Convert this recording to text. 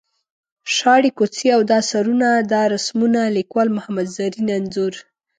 شاړې کوڅې او دا سرونه دا رسمونه ـ لیکوال محمد زرین انځور.